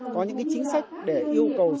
có những cái chính sách để yêu cầu